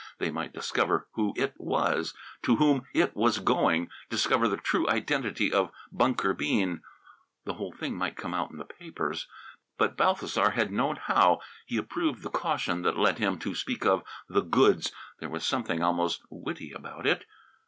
They might discover who It was, to whom It was going; discover the true identity of Bunker Bean. The whole thing might come out in the papers! But Balthasar had known how. He approved the caution that had led him to speak of "the goods"; there was something almost witty about it.